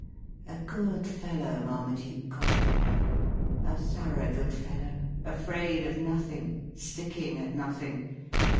A good fellow, Marmaduke Coffin — a thorough good fellow, afraid of nothing, sticking at nothing.